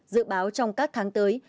dự báo trong các tháng tới